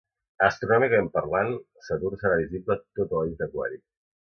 Astronòmicament parlant, Saturn serà visible tota la nit a Aquari